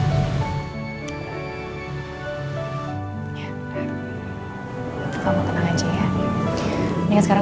itu kamu tenang aja ya